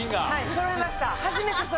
そろいました。